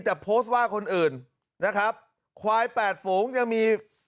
แต่โพสต์ว่าคนอื่นนะครับควายแปดฝูงยังมี